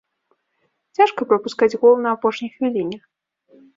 Цяжка прапускаць гол на апошняй хвіліне.